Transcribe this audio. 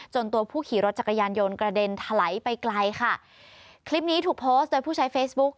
ตัวผู้ขี่รถจักรยานยนต์กระเด็นถลายไปไกลค่ะคลิปนี้ถูกโพสต์โดยผู้ใช้เฟซบุ๊ค